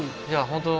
本当